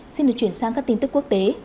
xin được chuyển sang các tin tức quốc tế